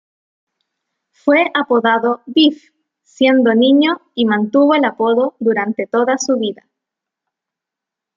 Fue apodado 'Biff' siendo niño y mantuvo el apodo durante toda su vida.